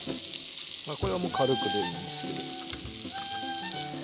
これはもう軽くでいいですけど。